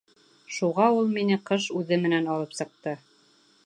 Шуға ул мине ҡыш үҙе менән алып сыҡты.